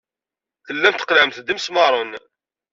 Tellam tqellɛem-d imesmaṛen.